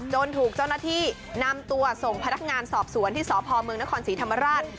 ถูกเจ้าหน้าที่นำตัวส่งพนักงานสอบสวนที่สพเมืองนครศรีธรรมราช